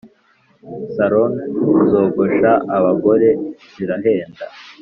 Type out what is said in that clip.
Salon zogosha abagore zirahenda